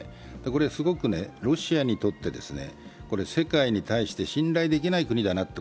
これはすごくロシアにとって、世界に対して信頼できない国だなと。